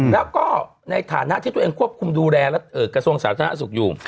แล้วก็ในฐานะที่ตัวเองควบคุมดูแลกระทรวงสาธารณสุขอยู่